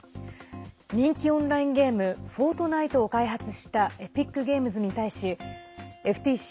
人気オンラインゲーム「フォートナイト」を開発したエピックゲームズに対しＦＴＣ